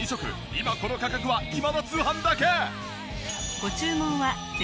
今この価格は『今田通販』だけ！